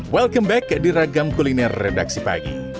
welcome back di ragam kuliner redaksi pagi